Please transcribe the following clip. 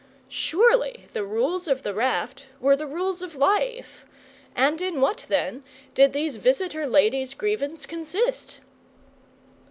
Surely, the rules of the raft were the rules of life, and in what, then, did these visitor ladies' grievance consist?